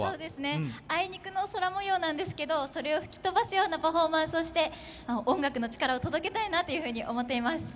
あいにくの空模様なんですけど、それを吹き飛ばすようなパフォーマンスをして音楽の力を届けたいなと思っています。